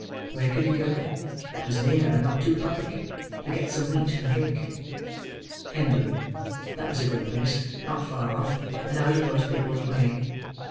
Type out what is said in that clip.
Where could he go, that was near and not too public, to get some meat and drink? Hendon. That was a good place, not far off, and out of most people's way.